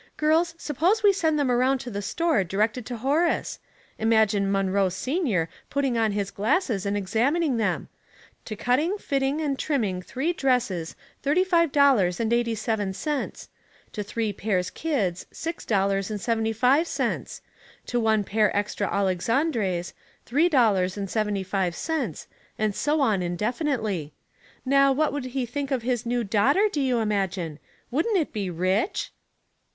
Girls, suppose we send them around to the store directed to Horace ? Imagine Munroe senior putting on his glasses and examining them :' To cutting, fitting and trimming three dresses, thirty five doUava 184 Ilousehold Puzzles, and eighty seven cents ; to three pairs kids, six dollars and seventy five cents ; to one pair extra Alexandre's, three dollars and seventy five cents, and so on indefinitely. Now, what would he think of his new daughter, do you imagine ? Wouldn't it be rich